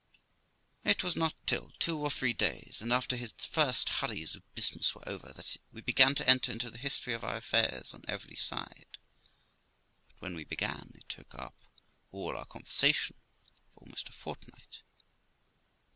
It was not till two or three days, and after his first hurries of business were over, that we began to enter into the history of our affairs on every side, but, when we began, it took up all our conversation for almost a fortnight.